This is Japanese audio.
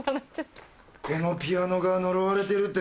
このピアノが呪われてるって